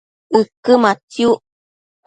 ëquë matsiuc